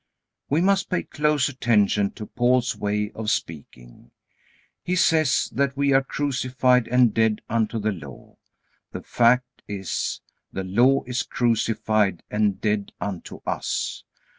We must pay close attention to Paul's way of speaking. He says that we are crucified and dead unto the Law. The fact is, the Law is crucified and dead unto us.